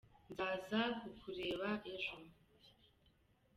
Nzaza kukureba ejo.